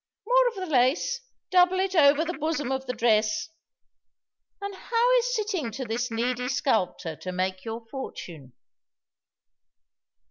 "More of the lace double it over the bosom of the dress. And how is sitting to this needy sculptor to make your fortune?"